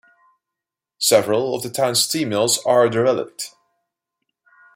Several of the town's tea mills are derelict.